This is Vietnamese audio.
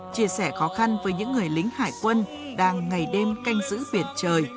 chia sẻ khó khăn với những người lính hải quân đang ngày đêm canh giữ biển trời